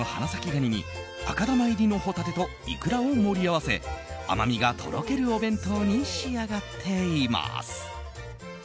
ガニに赤玉入りのホタテとイクラを盛り合わせ甘みがとろけるお弁当に仕上がっています。